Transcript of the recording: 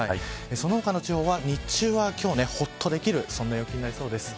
その他の地方は日中は今日はほっとできるような陽気になりそうです。